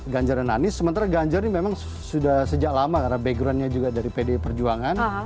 ganjar dan anies sementara ganjar ini memang sudah sejak lama karena backgroundnya juga dari pdi perjuangan